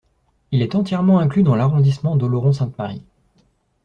Il est entièrement inclus dans l'arrondissement d'Oloron-Sainte-Marie.